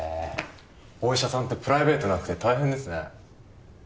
お医者さんってプライベートなくて大変ですね